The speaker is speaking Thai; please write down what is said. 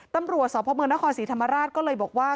ตำรวจสพเมืองนครศรีธรรมราชก็เลยบอกว่า